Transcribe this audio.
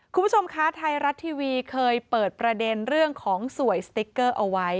คุณผู้ชมคะไทยรัฐทีวีเคยเปิดประเด็นเรื่องของสวยสติ๊กเกอร์เอาไว้